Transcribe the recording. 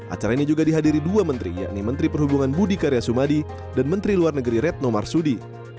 acara ini juga dihadiri dua menteri yakni menteri perhubungan budi karya sumadi dan menteri luar negeri retno marsudi